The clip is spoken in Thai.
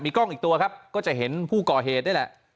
กล้องอีกตัวครับก็จะเห็นผู้ก่อเหตุนี่แหละ